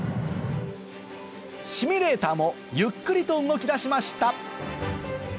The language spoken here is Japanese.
シミュレーターもゆっくりと動きだしました